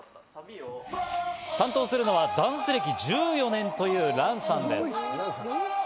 担当するのはダンス歴１４年というランさんです。